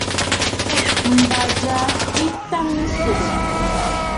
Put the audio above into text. M̀bà ja ɨ tàŋə̀ swegè.